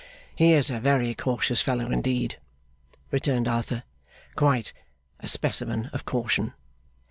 'He is a very cautious fellow indeed,' returned Arthur. 'Quite a specimen of caution.